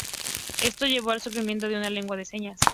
Esto llevó al surgimiento de una lengua de señas.